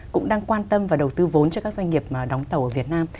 cũng đang quan tâm và đầu tư vốn cho các doanh nghiệp đóng tàu ở việt nam